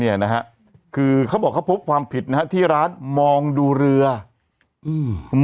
เนี่ยนะฮะคือเขาบอกเขาพบความผิดนะฮะที่ร้านมองดูเรืออืม